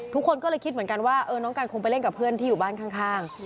ทุกคนก็เลยคิดเหมือนกันว่าน้องกันคงไปเล่นกับเพื่อนที่อยู่บ้านข้าง